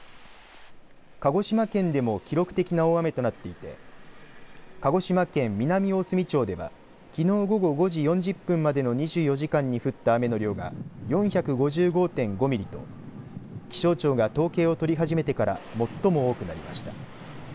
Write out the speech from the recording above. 鹿児島県でも記録的な大雨となっていて鹿児島県南大隅町ではきのう午後５時４０分までの２４時間に降った雨の量が４５５．５ミリと気象庁が統計を取り始めてから最も多くなりました。